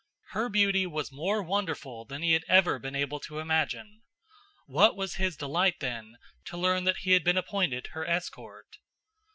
Her beauty was more wonderful than he had ever been able to imagine. What was his delight, then, to learn that he had been appointed her escort.